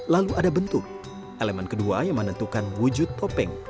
lalu ada bentuk elemen kedua yang menentukan wujud topeng